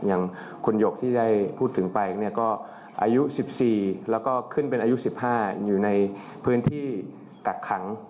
อย่างคุณหยกที่ได้พูดถึงไปก็อายุสิบสี่แล้วก็ขึ้นเป็นอายุสิบห้าอยู่ในพื้นที่กักขัง